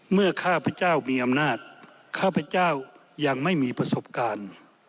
ข้าพเจ้ามีอำนาจข้าพเจ้ายังไม่มีประสบการณ์